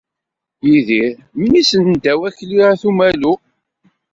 Yidir, mmi-s n Dda Wakli At Umalu.